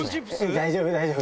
大丈夫、大丈夫。